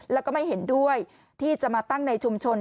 แล้วก็ไม่เห็นด้วยที่จะมาตั้งในชุมชน